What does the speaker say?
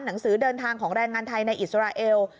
หนังสือเดินทางของแรงงานไทยในอิสราเอล